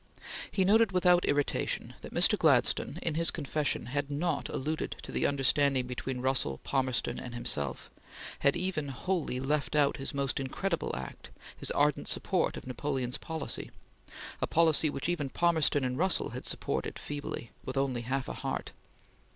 He noted, without irritation, that Mr. Gladstone, in his confession, had not alluded to the understanding between Russell, Palmerston, and himself; had even wholly left out his most "incredible" act, his ardent support of Napoleon's policy, a policy which even Palmerston and Russell had supported feebly, with only half a heart.